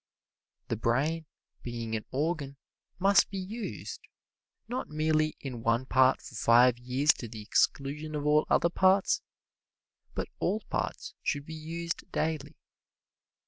The brain, being an organ, must be used, not merely in one part for five years to the exclusion of all other parts, but all parts should be used daily.